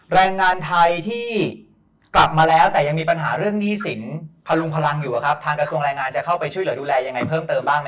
แรงงานไทยที่ประมาณสำเนียงอยู่แล้วแต่ยังมีปัญหาเรื่องหนี้สินพลุงพลังอยู่ครับ